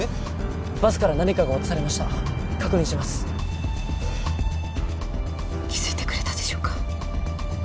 バスから何かが落とされました確認します気づいてくれたでしょうか？